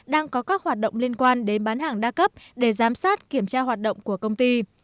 đang có các hoạt động liên quan đến bán hàng đa cấp để giám sát kiểm tra hoạt động của công ty